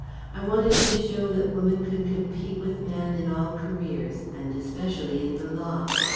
I wanted to show that woman could compete with man in all careers, and especially in the Law.